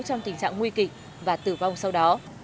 trong tình trạng nguy kịch và tử vong sau đó